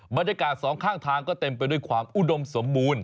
บรรยากาศสองข้างทางก็เต็มไปด้วยความอุดมสมบูรณ์